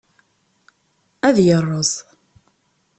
Ad yerreẓ.